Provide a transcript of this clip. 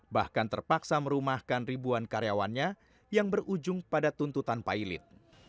bahkan terpaksa merumahkan ribuan karyawannya yang berujung pada tuntutan pilot